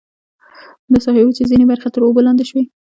د ساحې وچې ځینې برخې تر اوبو لاندې شوې.